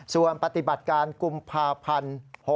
ส่วนปฏิบัติการกุมภาพันธ์๖๖